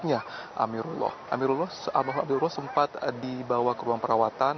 namun akhirnya amirullah sempat dibawa ke ruang perawatan